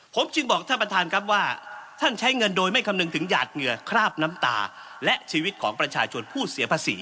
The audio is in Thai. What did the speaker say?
ผมจึงบอกท่านประธานครับว่าท่านใช้เงินโดยไม่คำนึงถึงหยาดเหงื่อคราบน้ำตาและชีวิตของประชาชนผู้เสียภาษี